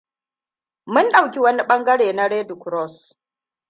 Mun dauki wani bangare na Red Cross.